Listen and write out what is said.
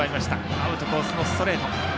アウトコースのストレート。